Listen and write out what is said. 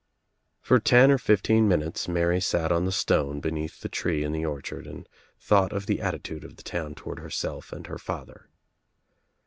For ten or fifteen minutes Mary sat on the stone be neath the tree in the orchard and thought of the at titude of the town toward herself and her father.